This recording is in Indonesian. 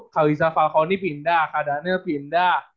kak wiza falcone pindah kak daniel pindah